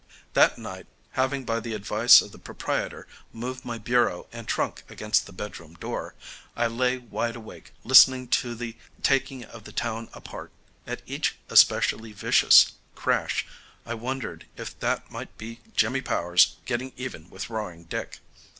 That night, having by the advice of the proprietor moved my bureau and trunk against the bedroom door, I lay wide awake listening to the taking of the town apart. At each especially vicious crash I wondered if that might be Jimmy Powers getting even with Roaring Dick.